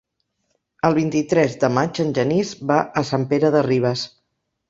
El vint-i-tres de maig en Genís va a Sant Pere de Ribes.